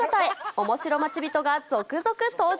おもしろ町人が続々登場。